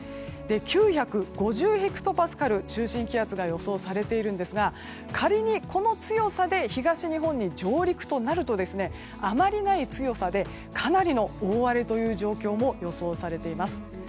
９５０ヘクトパスカルの中心気圧が予想されているんですが仮にこの強さで東日本に上陸となるとあまりない強さでかなりの大荒れという状況も予想されています。